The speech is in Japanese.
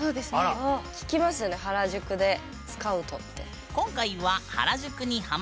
聞きますよね原宿でスカウトって。